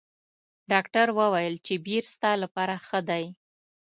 ډاکټر ویل چې بیر ستا لپاره ښه دي.